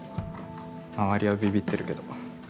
周りはびびってるけど。